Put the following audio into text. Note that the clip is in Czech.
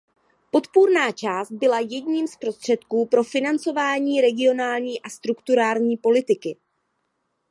Podpůrná část byla jedním z prostředků pro financování regionální a strukturální politiky.